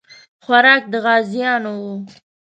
خوراک د غازیانو وو.